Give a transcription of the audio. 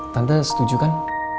tante setuju kan